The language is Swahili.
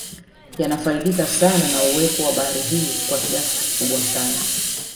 Yanafaidika sana na uwepo wa bahari hii kwa kiasi kikubwa sana